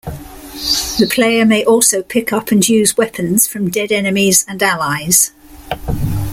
The player may also pick up and use weapons from dead enemies and allies.